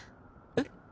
えっ？